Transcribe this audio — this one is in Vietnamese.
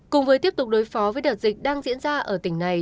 cùng với tiếp tục đối phó với đợt dịch đang diễn ra ở tỉnh này